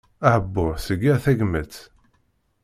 Ahbuh seg yir tagmat.